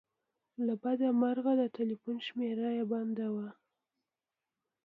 له بده مرغه د ټیلیفون شمېره یې بنده وه.